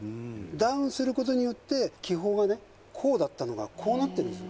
ダウンすることによって気泡がねこうだったのがこうなってるんです